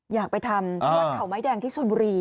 อยากไปทำนวดเขาไม้แดงที่ชนบุรี